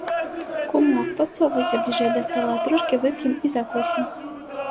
Кумок, падсоўвайся бліжэй да стала, трошкі вып'ем і закусім.